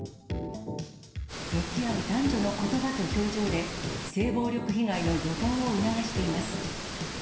向き合う男女のことばと表情で、性暴力被害の予防を促しています。